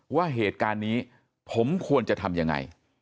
ว่าเหตุการณ์นี้ผมควรจะทำยังไง